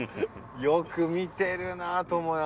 よく見てるな倫也。